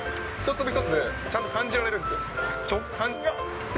一粒一粒、ちゃんと感じられるんですよ。